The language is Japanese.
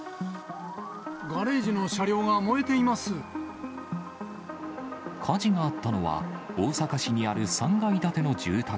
ガレージの車両が燃えていま火事があったのは、大阪市にある３階建ての住宅。